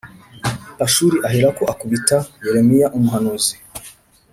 Pashuri aherako akubita yeremiya umuhanuzi